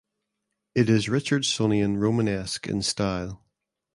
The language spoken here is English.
It is Richardsonian Romanesque in style.